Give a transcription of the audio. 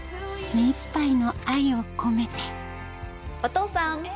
目いっぱいの愛を込めてお父さん